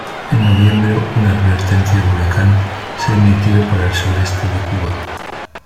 En noviembre, una advertencia de huracán se emitió para el sureste de Cuba.